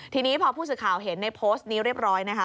ทีนี้พอผู้สื่อข่าวเห็นในโพสต์นี้เรียบร้อยนะคะ